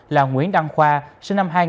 là nguyễn đăng khoa sinh năm hai nghìn